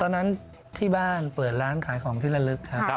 ตอนนั้นที่บ้านเปิดร้านขายของที่ละลึกครับ